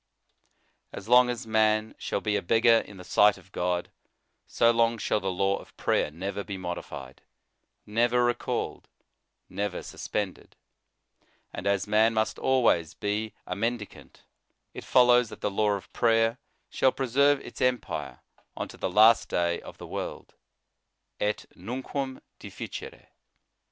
As long as man shall be a beggar in the sight of God, so long shall the law of prayer never be modified, never recalled, never sus pended; and as man must always be a mendi cant, it follows that the law of prayer shall preserve its empire unto the last day of the world: et nunquam deficere.